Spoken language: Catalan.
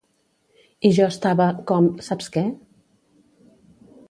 I jo estava, com, Saps què?